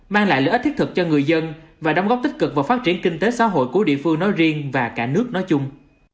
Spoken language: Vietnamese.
mang lại lợi ích thiết thực cho người dân và đóng góp tích cực vào phát triển kinh tế xã hội của địa phương nói riêng và cả nước nói chung